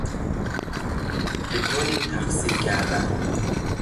به دو نیم تقسیم کردن